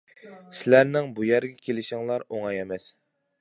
سىلەرنىڭ بۇ يەرگە كېلىشىڭلار ئوڭاي ئەمەس.